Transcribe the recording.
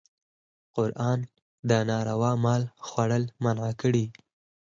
قرآن د ناروا مال خوړل منع کړي.